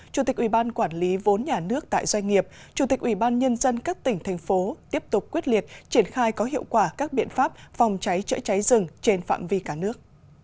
chủ tịch ủy ban quản lý vốn nhà nước tại doanh nghiệp chủ tịch ủy ban nhân dân các tỉnh thành phố tiếp tục quyết liệt triển khai có hiệu quả các biện pháp phòng cháy chữa cháy rừng trên phạm vi cả nước